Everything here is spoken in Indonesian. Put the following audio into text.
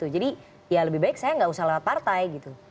jadi lebih baik saya tidak usah lewat partai